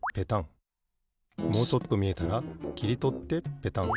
もうちょっとみえたらきりとってペタン。